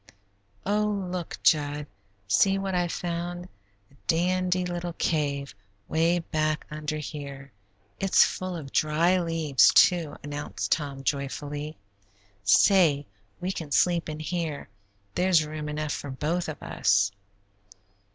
"Oh, look, Jud! See what I've found a dandy little cave way back under here. It's full of dry leaves, too," announced Tom, joyfully. "Say, we can sleep in here; there's room enough for both of us."